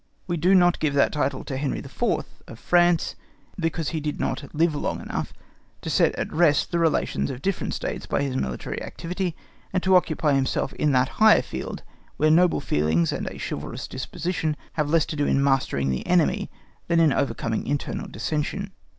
We do not give that title to Henry IV. (of France), because he did not live long enough to set at rest the relations of different States by his military activity, and to occupy himself in that higher field where noble feelings and a chivalrous disposition have less to do in mastering the enemy than in overcoming internal dissension.